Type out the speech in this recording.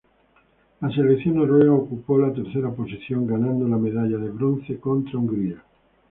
La selección noruega ocupó la tercera posición, ganando la medalla de bronce contra Hungría.